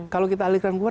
kalau kita alirkan keluar